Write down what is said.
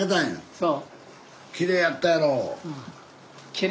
そう。